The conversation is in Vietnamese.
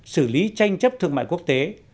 xử lý tranh chấp thương mại quốc tế